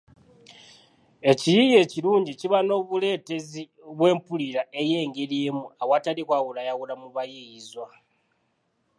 Ekiyiiye ekilungi kiba n’obuleetezi bw’empulira ey’engeri emu awatali kwawulayawula mu bayiiyizwa